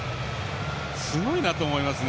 すごいなと思いますね。